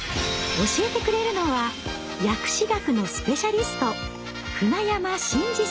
教えてくれるのは薬史学のスペシャリスト